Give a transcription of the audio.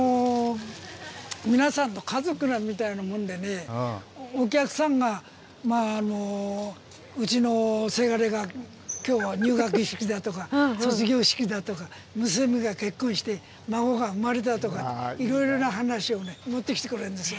そうですね、皆さんと家族みたいなもんでね、お客さんがうちのせがれがきょうは入学式だとか、卒業式だとか、娘が結婚して孫が生まれたとか、いろいろな話を持ってきてくれるんですよ。